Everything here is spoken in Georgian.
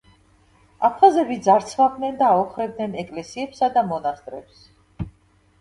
აფხაზები ძარცვავდნენ და აოხრებდნენ ეკლესიებსა და მონასტრებს.